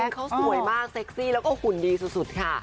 เขาสวยมากเซ็กซี่แล้วก็หุ่นดีสุดค่ะ